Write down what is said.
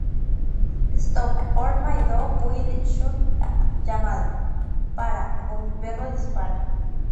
Stop, or My Dog Will Shoot!, llamado "¡Para, o mi perro dispara!